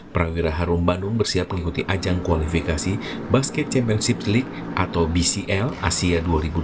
prawira harum bandung bersiap mengikuti ajang kualifikasi basket championship league atau bcl asia dua ribu dua puluh